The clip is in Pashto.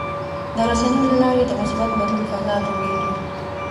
د رسنیو له لارې د مثبت بدلون فضا جوړېږي.